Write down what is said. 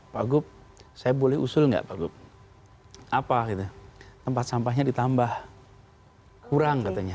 pak gup saya boleh usul nggak pak gub apa tempat sampahnya ditambah kurang katanya